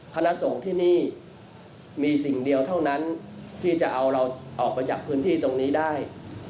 พระสงฆ์ที่นี่มีสิ่งเดียวเท่านั้นที่จะเอาเราออกไปจากพื้นที่ตรงนี้ได้